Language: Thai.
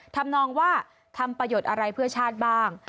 ทำนองว่าทำประโยชน์อะไรเพื่อชาติบ้าง